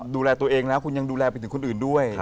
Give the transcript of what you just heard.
ดูแลตัวเองแล้วคุณยังดูแลไปถึงคนอื่นด้วย